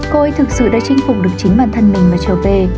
cô ấy thực sự đã chinh phục được chính bản thân mình và trở về